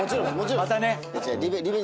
またね。